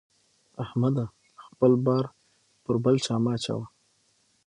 احمده! خپل بار پر بل چا مه اچوه.